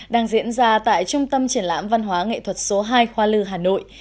đang diễn ra tại trung tâm triển lãm văn hóa nghệ thuật số hai khoa lư hà nội